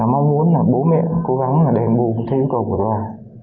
mong muốn bố mẹ cố gắng đềm bù theo nhu cầu của tòa